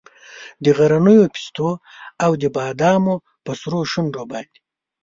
د غرنیو پیستو او د بادامو په سرو شونډو باندې